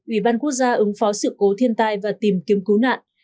ủy ban quốc gia ứng phó sự cố thiên tai và tìm kiếm cứu nạn